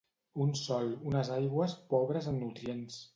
Un sòl, unes aigües, pobres en nutrients.